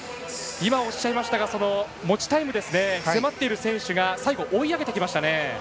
今おっしゃいましたが持ちタイム、迫っている選手が最後、追い上げてきました。